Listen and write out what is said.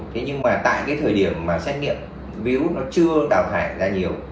thế nhưng mà tại cái thời điểm mà xét nghiệm víu nó chưa đào thải ra nhiều